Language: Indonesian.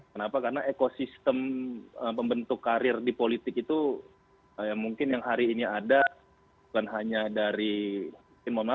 kenapa karena ekosistem pembentuk karir di politik itu mungkin yang hari ini ada